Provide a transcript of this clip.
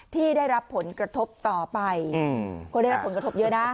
ที่ได้รับผลกระทบต่อไปคนได้รับผลกระทบเยอะนะ